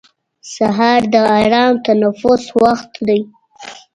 سهار د ارام تنفس وخت دی.